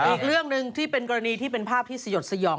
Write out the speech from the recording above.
อีกเรื่องหนึ่งที่เป็นกรณีที่เป็นภาพที่สยดสยอง